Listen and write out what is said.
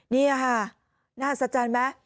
นี่ค่ะน่าหัศจรรย์ไหม